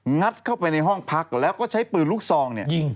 งัดเข้าไปในห้องพักแล้วก็ใช้ปืนลูกซองเนี่ยยิง